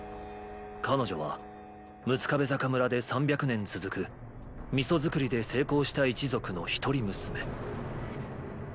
彼女は六壁坂村で３００年続く味噌作りで成功した一族のひとり娘。